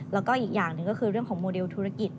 แล้วก็อีกอย่างหนึ่งก็คือเรื่องของโมเดลธุรกิจ